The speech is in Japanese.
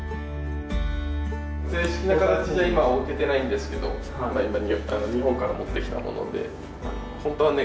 正式な形じゃ今置けてないんですけど日本から持ってきたもので本当はね